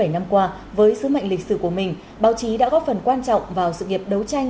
bảy mươi năm qua với sứ mệnh lịch sử của mình báo chí đã góp phần quan trọng vào sự nghiệp đấu tranh